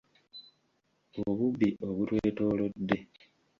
Obubbi obutwetoolodde.